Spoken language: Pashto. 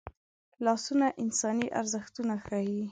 لاسونه انساني ارزښتونه ښيي